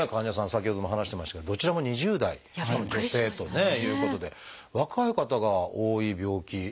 先ほども話してましたけどどちらも２０代しかも女性ということで若い方が多い病気なんでしょうか？